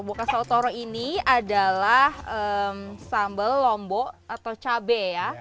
boka sautoro ini adalah sambal lombo atau cabai